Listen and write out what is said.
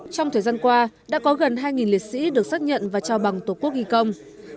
trong thời gian qua đã có gần hai liệt sĩ được xác nhận và trao bằng tổ quốc ghi công